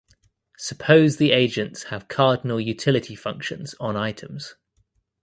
Suppose the agents have cardinal utility functions on items.